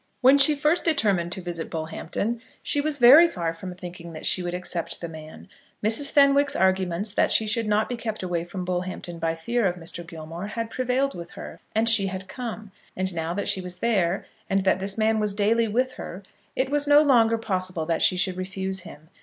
When she first determined to visit Bullhampton, she was very far from thinking that she would accept the man. Mrs. Fenwick's argument that she should not be kept away from Bullhampton by fear of Mr. Gilmore, had prevailed with her, and she had come. And now that she was there, and that this man was daily with her, it was no longer possible that she should refuse him.